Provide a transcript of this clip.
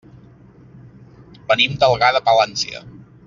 Venim d'Algar de Palància.